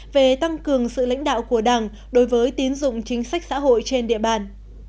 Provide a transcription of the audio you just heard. về tăng cường sự lãnh đạo của đảng đối với tín dụng chính sách xã hội trên địa bàn